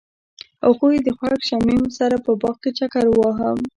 هغوی د خوښ شمیم سره په باغ کې چکر وواهه.